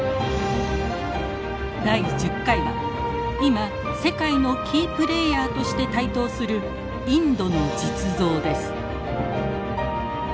第１０回は今世界のキープレーヤーとして台頭するインドの実像です。